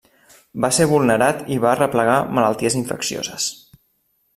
Va ser vulnerat i va arreplegar malalties infeccioses.